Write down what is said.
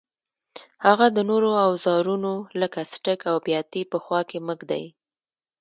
هغه د نورو اوزارونو لکه څټک او بیاتي په خوا کې مه ږدئ.